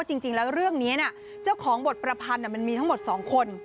จริงแล้วเรื่องนี้เจ้าของบทประพันธ์มันมีทั้งหมด๒คน